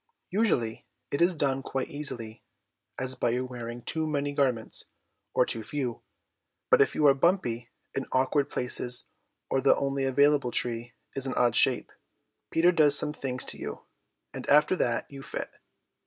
Usually it is done quite easily, as by your wearing too many garments or too few, but if you are bumpy in awkward places or the only available tree is an odd shape, Peter does some things to you, and after that you fit.